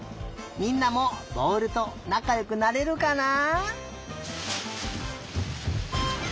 みんなもぼおるとなかよくなれるかな？